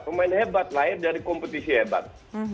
pemain hebat lahir dari kompetisi hebat